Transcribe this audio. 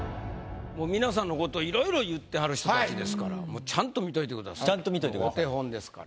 皆さんのこといろいろ言ってはる人たちですからちゃんと見といてくださいお手本ですからね。